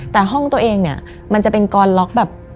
แต่ห้องตัวเองเนี่ยมันจะเป็นกอนล็อกแบบ